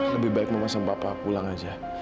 lebih baik mama sama papa pulang aja